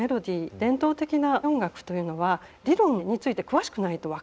伝統的な音楽というのは理論について詳しくないと分からない。